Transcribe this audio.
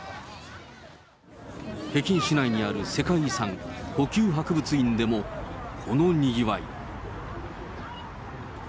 北京市内にある世界遺産、故宮博物院でも、このにぎわい。